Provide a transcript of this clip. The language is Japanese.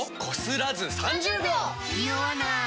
ニオわない！